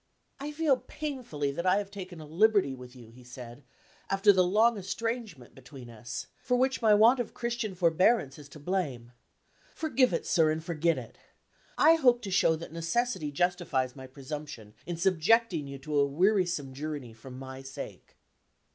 "I feel painfully that I have taken a liberty with you," he said, "after the long estrangement between us for which my want of Christian forbearance is to blame. Forgive it, sir, and forget it. I hope to show that necessity justifies my presumption, in subjecting you to a wearisome journey for my sake."